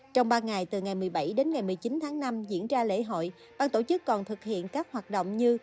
trong ba ngày từ ngày một mươi bảy đến ngày một mươi chín tháng năm diễn ra lễ hội ban tổ chức còn thực hiện các hoạt động như